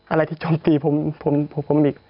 อะไรที่จมตีผมอีก